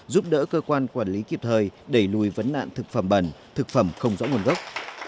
giúp đỡ cơ quan quản lý kịp thời đẩy lùi vấn nạn thực phẩm bẩn thực phẩm không rõ nguồn gốc